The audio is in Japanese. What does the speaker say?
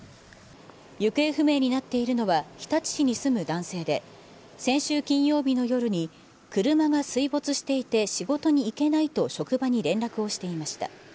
行方不明になっているのは、日立市に住む男性で、先週金曜日の夜に車が水没していて仕事に行けないと職場に連絡をしていました。